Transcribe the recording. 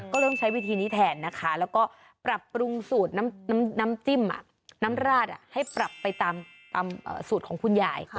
ก็เริ่มใช้วิธีนี้แทนนะคะแล้วก็ปรับปรุงสูตรน้ำจิ้มน้ำราดให้ปรับไปตามสูตรของคุณยาย